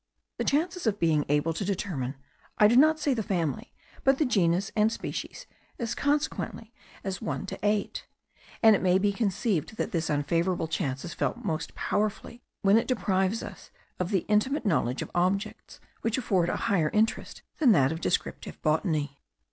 The chances of being able to determine, I do not say the family, but the genus and species, is consequently as one to eight; and it may be conceived that this unfavourable chance is felt most powerfully when it deprives us of the intimate knowledge of objects which afford a higher interest than that of descriptive botany.